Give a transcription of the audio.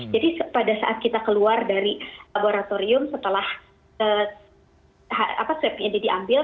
jadi pada saat kita keluar dari laboratorium setelah swabnya diambil